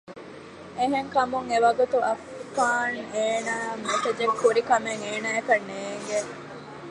އެހެންކަމުން އެ ވަގުތު އައްފާން އޭނާއަށް މެސެޖެއް ކުރިކަމެއް އޭނާއަކަށް ނޭނގެ